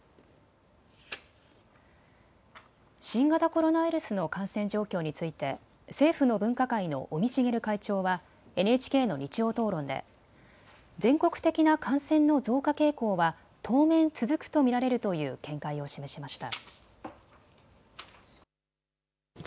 新型コロナウイルスの感染状況について政府の分科会の尾身茂会長はＮＨＫの日曜討論で全国的な感染の増加傾向は当面続くと見られるという見解を示しました。